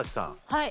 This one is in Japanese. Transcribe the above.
はい。